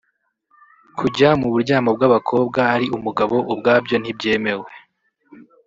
Kujya mu buryamo bw’abakobwa ari umugabo ubwabyo ntibyemewe